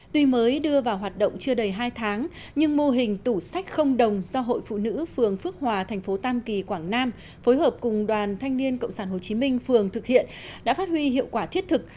tuy mới đưa vào hoạt động chưa đầy hai tháng nhưng mô hình tủ sách không đồng do hội phụ nữ phường phước hòa thành phố tam kỳ quảng nam phối hợp cùng đoàn thanh niên cộng sản hồ chí minh phường thực hiện đã phát huy hiệu quả thiết thực